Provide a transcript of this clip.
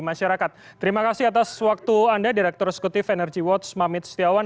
masyarakat terima kasih atas waktu anda direktur sekutif energywatch mamit setiawan